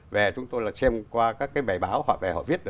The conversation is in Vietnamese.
về chúng tôi xem qua các bài báo họ viết